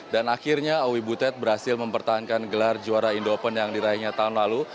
dan akhirnya oi butet berhasil mempertahankan gelar juara indo open yang dirahinya tahun lalu